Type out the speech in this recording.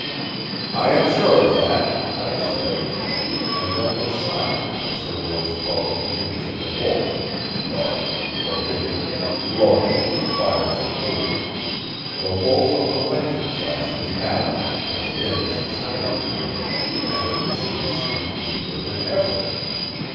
"I am sure of that," I said, and then was silent as her words called up the image of the Wolf, dark, forbidding, glowing with the fires of hate the Wolf of the lantern flash in the alley and the dens of Chinatown and the mystery seemed deeper than ever.